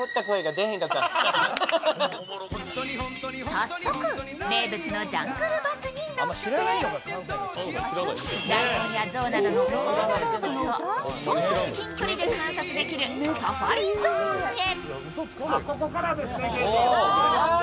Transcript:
早速、名物のジャングルバスに乗ってライオンやゾウなどの大型動物を超至近距離で観察できるサファリゾーンへ。